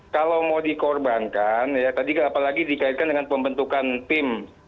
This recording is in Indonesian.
kalau mau dikorbankan ya tadi apalagi dikaitkan dengan pembentukan tim